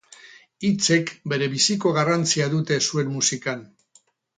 Hitzek berebiziko garrantzia dute zuen musikan.